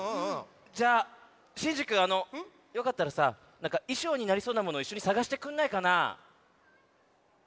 じゃシンジくんよかったらさなんかいしょうになりそうなものいっしょにさがしてくんないかな？